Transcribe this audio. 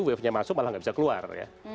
wavenya masuk malah tidak bisa keluar